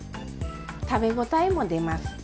食べ応えも出ます。